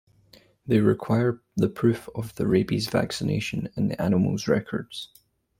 They require the proof of the rabies vaccination in the animal's records.